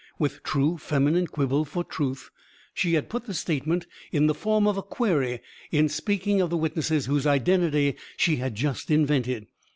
With true feminine quibble for truth, she had put the statement in the form of a query in speaking of the witnesses whose identity she had just invented.